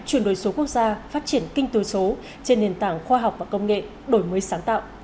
chuyển đổi số quốc gia phát triển kinh tế số trên nền tảng khoa học và công nghệ đổi mới sáng tạo